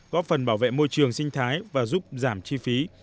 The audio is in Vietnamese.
góp phần bảo vệ môi trường sinh thái và giúp giảm chi phí